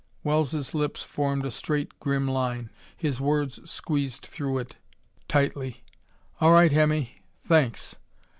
Wells' lips formed a straight grim line. His words squeezed through it tightly. "All right, Hemmy. Thanks.